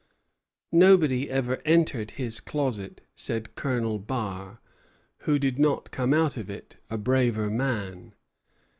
"Nobody ever entered his closet," said Colonel Barré, "who did not come out of it a braver man."